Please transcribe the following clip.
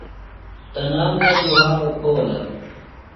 تنام نہ دُھا بہ کھولہ۔